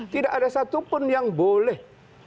tidak ada satupun yang boleh